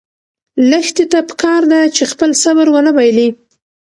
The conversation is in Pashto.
لښتې ته پکار ده چې خپل صبر ونه بایلي.